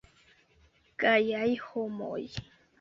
Gajaj homoj.